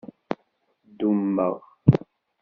Dummeɣ.